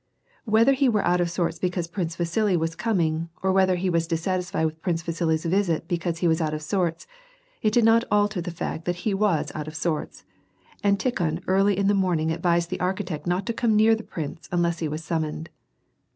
Whether he were out of sorts because Prince Vasili was com inir, or whether ho was dissatisfied with Prince Vasili's visit Wcause he was out of sorts, it did not alter the fact that he was out of sorts, and Tikhon early in the morning advised the ai'chitect not to come near the prince unless he was summoned.